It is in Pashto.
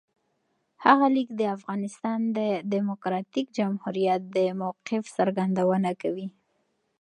هغه لیک د افغانستان د دموکراتیک جمهوریت د موقف څرګندونه کوي.